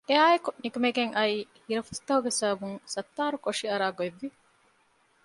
އެއާއެކު ނިކުމެގެން އައި ހިރަފުސްތަކުގެ ސަބަބުން ސައްތާރު ކޮށި އަރާ ގޮތް ވި